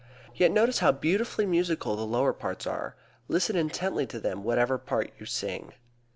Yet notice how beautifully musical the lower parts are. Listen intently to them whatever part you sing.